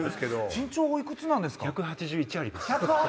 身長おいくつなんですか？